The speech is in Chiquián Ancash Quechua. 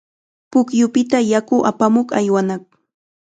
Pukyupita yaku apamuq aywanaq.